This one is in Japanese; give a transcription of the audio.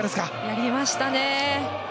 やりましたね！